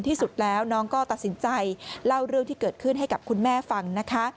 ที่สุดแล้วน้องก็ตัดสินใจเล่าเรื่องที่เกิดขึ้นให้กับคุณแม่ฟังนะคะ